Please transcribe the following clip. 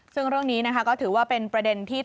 ซึ่งเรื่องนี้นะคะก็ถือว่าเป็นประเด็นที่